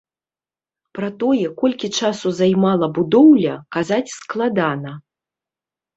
Пра тое, колькі часу займала будоўля, казаць складана.